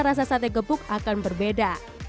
rasa sate gepuk akan berbeda